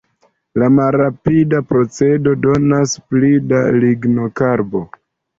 La malrapida procedo donas pli da lignokarbo.